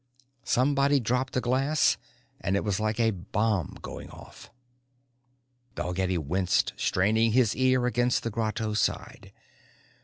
Somebody dropped a glass and it was like a bomb going off. Dalgetty winced, straining his ear against the grotto side.